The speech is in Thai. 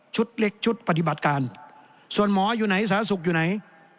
เล็กชุดปฏิบัติการส่วนหมออยู่ไหนสาธารณสุขอยู่ไหน